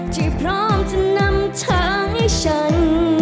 ที่พร้อมจะนำทางให้ฉัน